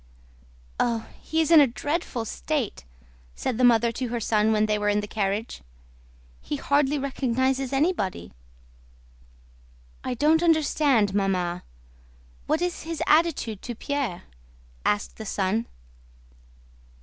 "Oh, he is in a dreadful state," said the mother to her son when they were in the carriage. "He hardly recognizes anybody." "I don't understand, Mamma—what is his attitude to Pierre?" asked the son.